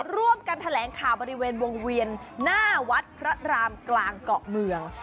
ร่วมกันแถลงข่าวบริเวณวงเวียนหน้าวัดพระรามกลางเกาะเมือง